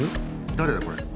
誰だこれ。